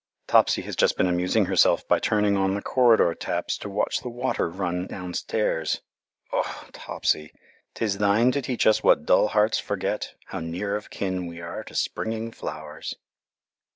Topsy has just been amusing herself by turning on the corridor taps to watch the water run downstairs! Oh! Topsy, "'Tis thine to teach us what dull hearts forget How near of kin we are to springing flowers."